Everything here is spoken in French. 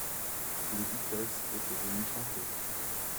les Beatles étaient venus chanter.